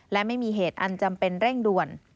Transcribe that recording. และไม่มีเหตุอันจำเป็นเร่งด่วน